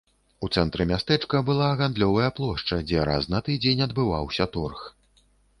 У цэнтры мястэчка была гандлёвая плошча, дзе раз на тыдзень адбываўся торг.